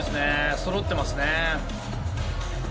そろってますね。